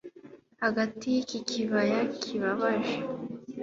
Hagati yiki kibaya kibabaje